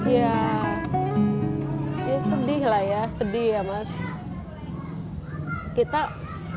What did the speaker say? ya sedih lah ya sedih ya mas